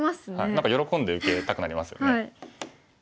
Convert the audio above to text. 何か喜んで受けたくなりますよね。